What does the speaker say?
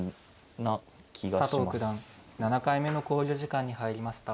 佐藤九段７回目の考慮時間に入りました。